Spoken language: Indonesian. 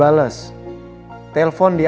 adek sih ngyewap nih